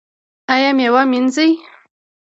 ایا میوه مینځئ؟